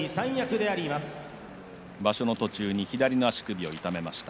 場所の途中に左の足首を痛めました。